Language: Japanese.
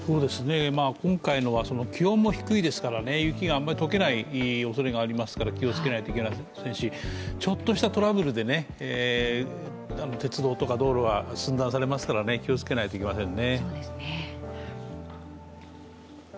今回のは気温も低いですから、雪があまり解けないおそれがありますから、気をつけないといけませんし、ちょっとしたトラブルで鉄道とか道路が寸断されますから、気をつけないといけませんね。